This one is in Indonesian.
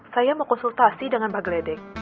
saya mau konsultasi dengan pak geledek